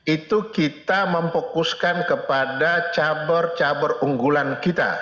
itu kita memfokuskan kepada cabur cabur unggulan kita